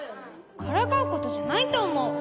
からかうことじゃないとおもう。